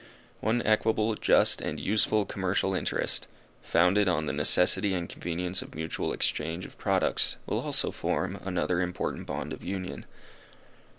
One equable, just and useful commercial interest, founded on the necessity and convenience of mutual exchange of products, will also form another important bond of union.